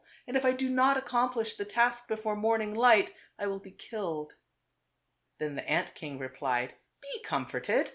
And if I do not accom plish the task before morning light, I will be killed." Then the ant king replied, "Be comforted.